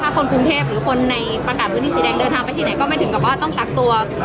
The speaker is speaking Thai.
คนกรุงเทพหรือคนในประกาศพื้นที่สีแดงเดินทางไปที่ไหนก็ไม่ถึงกับว่าต้องกักตัว